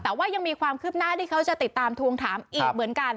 แต่ว่ายังมีความคืบหน้าที่เขาจะติดตามทวงถามอีกเหมือนกัน